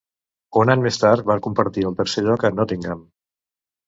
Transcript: Un any més tard va compartir el tercer lloc a Nottingham.